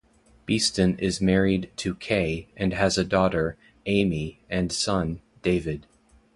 Beeston is married to Kaye, and has a daughter, Aimee, and son, David.